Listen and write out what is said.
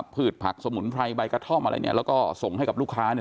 พืชผักสมุนไพรใบกระท่อมอะไรเนี่ยแล้วก็ส่งให้กับลูกค้าเนี่ย